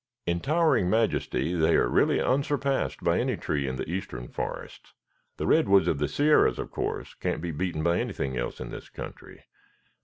In towering majesty they are really unsurpassed by any tree in the eastern forests. The redwoods of the Sierras, of course, can't be beaten by anything else in this country.